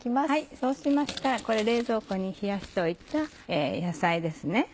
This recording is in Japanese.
そうしましたらこれ冷蔵庫に冷やしておいた野菜ですね。